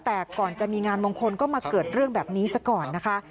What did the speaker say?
แต่ก่อนจะมีงานมงคลก็มาเกิดเรื่องแบบนี้ซะก่อนนะคะ